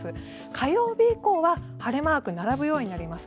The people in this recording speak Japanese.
火曜日以降は晴れマーク並ぶようになります。